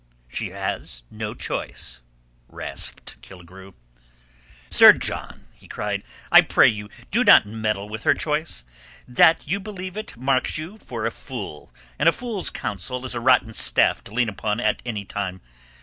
"She has no choice," rasped Killigrew. "Sir John," he cried, "I pray you do not meddle with her choice. That you believe it, marks you for a fool, and a fool's counsel is a rotten staff to lean upon at any time.